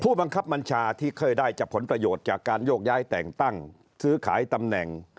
บังคับบัญชาที่เคยได้จากผลประโยชน์จากการโยกย้ายแต่งตั้งซื้อขายตำแหน่ง